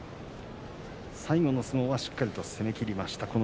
最後の相撲はしっかりと攻めきりました。